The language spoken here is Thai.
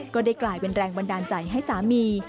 ก็ได้กลายเป็นแรงบันดาลใจให้สามี